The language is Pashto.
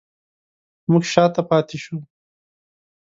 موږ شاته پاتې شوو